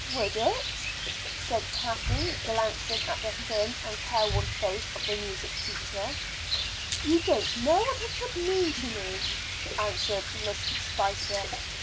"Would it?" said Kathleen, glancing at the thin and careworn face of the music teacher. "You don't know what it would mean to me," answered Miss Spicer.